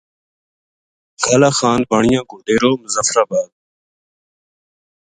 کالا خان بانیا کو ڈیرو مظفرآباد